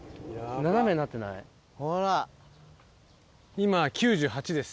今９８です。